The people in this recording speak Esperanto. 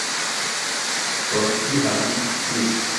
Por kio havi tion?